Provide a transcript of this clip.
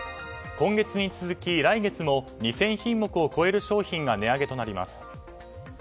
今月に続き、来月も２０００品目を超える商品が値上げとなります。